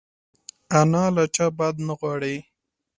انا له چا بد نه غواړي